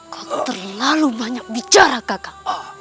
kau terlalu banyak bicara kakak